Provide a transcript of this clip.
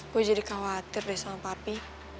gue jadi khawatir deh sama papi